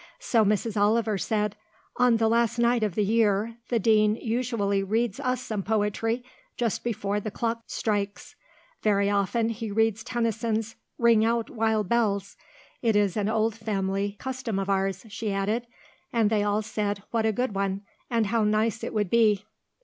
So Mrs. Oliver said, "On the last night of the year, the Dean usually reads us some poetry, just before the clock strikes. Very often he reads Tennyson's 'Ring out, wild bells.' It is an old family custom of ours," she added, and they all said what a good one, and how nice it would be.